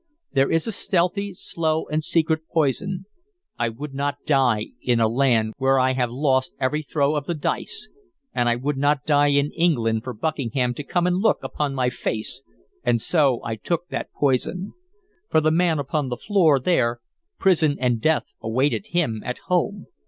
There is a stealthy, slow, and secret poison.... I would not die in a land where I have lost every throw of the dice, and I would not die in England for Buckingham to come and look upon my face, and so I took that poison. For the man upon the floor, there, prison and death awaited him at home.